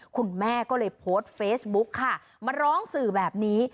คุณแม่ก็เลยโพสต์เฟซบุ๊กค่ะมาร้องสื่อแบบนี้